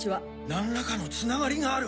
何らかのつながりがある。